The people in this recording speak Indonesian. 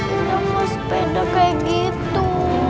itu mau sepeda kayak gitu